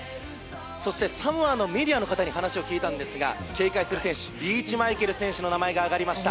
そしてサモアのメディアの方に話を聞いたんですが警戒する選手リーチマイケル選手の名前が挙がりました。